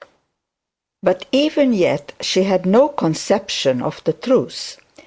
But even yet she had no conception of the truth.